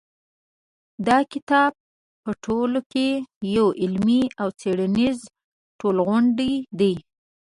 دا کتاب په ټوله کې یو علمي او څېړنیز ټولغونډ دی.